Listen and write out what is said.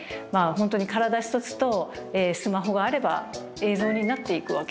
本当に体一つとスマホがあれば映像になっていくわけですよね。